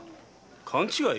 勘違い？